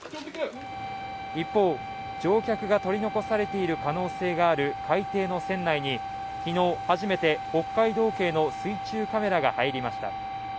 一方、乗客が取り残されている可能性がある海底の船内に昨日初めて北海道警の水中カメラが入りました。